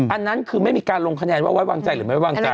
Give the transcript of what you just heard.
อันนั้นคือไม่มีการลงคะแนนว่าไว้วางใจหรือไม่วางใจ